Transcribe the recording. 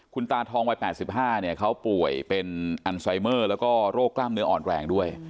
คุณตาทองวัยแปดสิบห้าเนี้ยเขาป่วยเป็นอันไซมเนอร์แล้วก็โรคกล้ามเนื้ออ่อนแรงด้วย